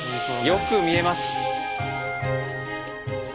よく見えます。